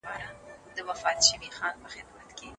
د ښيښي جوړولو پخوانی هنر څنګه بازار ته راغی؟